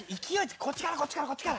こっちからこっちからこっちから。